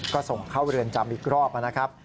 ก็ส่งเข้าเรือนจำอีกรอบนะครับ